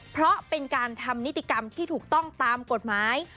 เพราะเป็นการทำนิติกรรมที่ถูกต้องตามกฎหมาย